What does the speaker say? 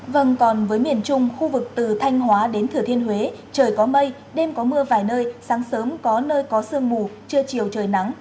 vâng còn với miền trung khu vực từ thanh hóa đến thừa thiên huế trời có mây đêm có mưa vài nơi sáng sớm có nơi có sương mù trưa chiều trời nắng